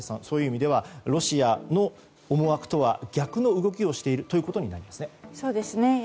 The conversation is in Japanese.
そういう意味ではロシアの思惑とは逆の動きをしているということになりますね。